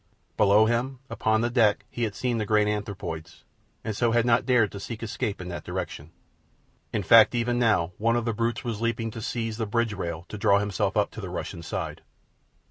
Below him, upon the deck, he had seen the great anthropoids, and so had not dared to seek escape in that direction. In fact, even now one of the brutes was leaping to seize the bridge rail and draw himself up to the Russian's side.